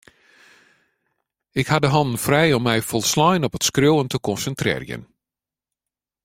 Ik ha de hannen frij om my folslein op it skriuwen te konsintrearjen.